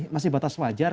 masih batas wajar